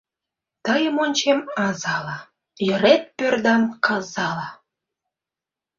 Тыйым ончем азала, йырет пӧрдам казала.